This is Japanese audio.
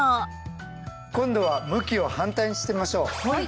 今度は向きを反対にしてみましょう。